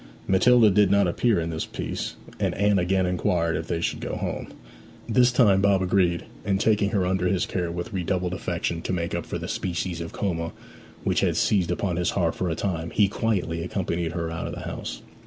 Matilda did not appear in this piece, and Anne again inquired if they should go home. This time Bob agreed, and taking her under his care with redoubled affection, to make up for the species of coma which had seized upon his heart for a time, he quietly accompanied her out of the house.